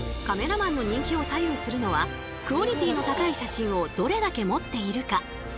カメラマンの人気を左右するのはクオリティーの高い写真をどれだけ持っているか。